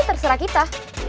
ini terserah kita